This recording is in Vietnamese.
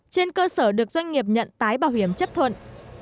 trên cơ sở được doanh nghiệp nhận tái bảo hiểm chấp thuận